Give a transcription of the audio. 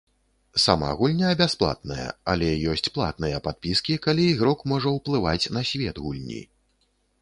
Сама гульня бясплатная, але ёсць платныя падпіскі, калі ігрок можа ўплываць на свет гульні.